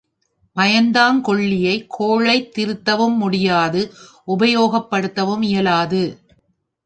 பயந்தாங் கொள்ளியை கோழையைத் திருத்தவும் முடியாது உபயோகப்படுத்தவும் இயலாது.